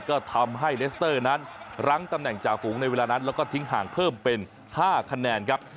ก็ทำให้เลสเตอร์นั้นรั้งตำแหน่งจ่าฝูงในเวลานั้นแล้วก็ทิ้งห่างเพิ่มเป็น๕คะแนนครับ